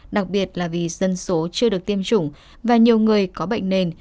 đặc biệt là vì dân số chưa được tiêm chủng và nhiều người có bệnh nền